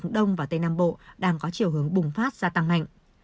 đông và tây nam bộ đang có chiều hướng bùng phát gia tăng mạnh